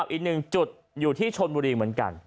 อีกหนึ่งจุดอยู่ที่ชนบุรีเหมือนกัน